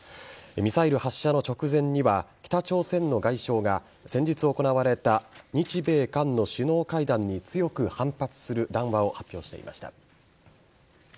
ミサイル発射の直前には北朝鮮の外相が先日行われた日・米・韓の首脳会談に強く反発する談話を発表していました。